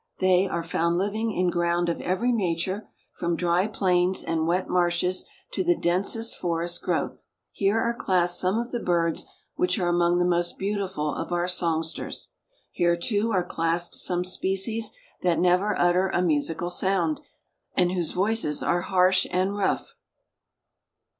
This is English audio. They "are found living in ground of every nature, from dry plains and wet marshes to the densest forest growth." Here are classed some of the birds which are among the most beautiful of our songsters. Here, too, are classed some species that never utter a musical sound, and whose voices are harsh and rough.